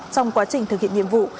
trong quá trình thực hiện nhiệm vụ